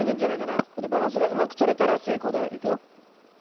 バランスがうまくとれたらせいこうだよ。いくよ。